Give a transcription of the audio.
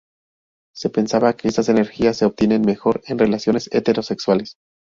Se pensaba que estas energías se obtienen mejor en relaciones heterosexuales.